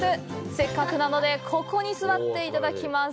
せっかくなのでここに座っていただきます。